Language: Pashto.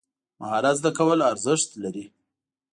مهارت زده کول ارزښت لري.